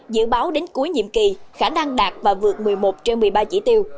dự báo đến cuối nhiệm kỳ khả năng đạt và vượt một mươi một trên một mươi ba chỉ tiêu